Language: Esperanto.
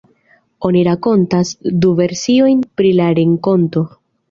Oni rakontas du versiojn pri la renkonto.